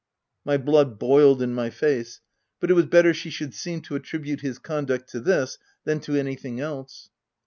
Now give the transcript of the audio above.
My blood boiled in my face; but it was better she should seem to attribute his conduct to this than to anything else.